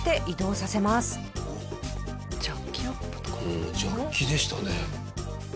うんジャッキでしたね。